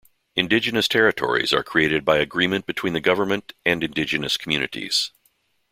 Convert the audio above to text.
Indigenous territories are created by agreement between the government and indigenous communities.